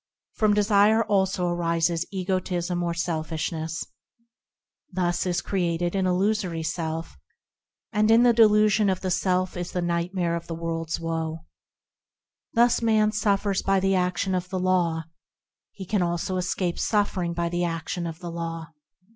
From desire also arises egotism or selfishness, Thus is created an illusory self, And in the delusion of the self is the nightmare of the world's woe. Thus man suffers by the action of the Law; He can also escape suffering by the action of the Law.